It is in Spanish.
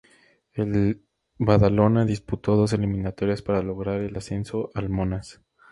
El Badalona disputó dos eliminatorias para lograr el ascenso al monas.